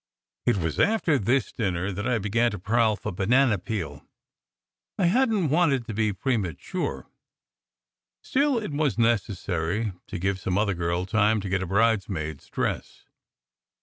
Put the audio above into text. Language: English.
It was after this dinner that I began to prowl for banana peel. I hadn t wanted to be premature; still, it was nec essary to give some other girl time to get a bridesmaid s dress.